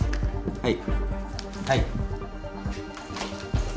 はい。